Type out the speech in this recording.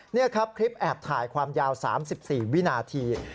นี่ครับคลิปแอบถ่ายความยาว๓๔วินาที